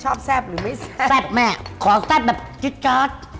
ชอบแซ่บหรือไม่แซ่บแซ่บแม่ของแซ่บแบบจ๊อต